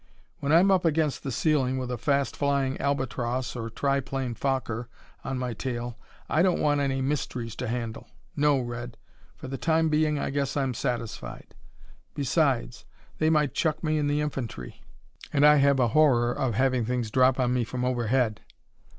When I'm up against the ceiling with a fast flying Albatross or tri plane Fokker on my tail, I don't want any mysteries to handle. No, Red, for the time being I guess I'm satisfied. Besides, they might chuck me in the infantry, and I have a horror of having things drop on me from overhead.